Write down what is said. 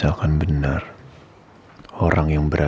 aku mau memaafkan dia